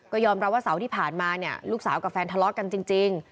ก็ยอมรับว่าเสาร์ที่ผ่านมาเนี่ยลูกสาวกับแฟนทะเลาะกันจริง